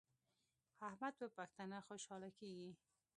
احمد په پښتنه خوشحاله کیږي.